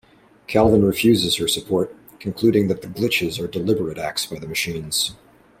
Calvin refuses her support; concluding that the "glitches" are deliberate acts by the Machines.